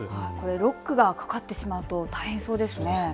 ロックがかかってしまうと大変そうですね。